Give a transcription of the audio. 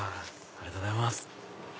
ありがとうございます。